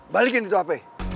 balikin itu hp